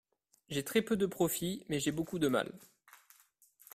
J’ai très peu de profits ; mais j’ai beaucoup de mal.